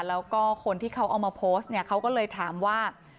แล้วก็คนที่เขาเอามาโพสต์เนี่ยเขาก็เลยถามว่า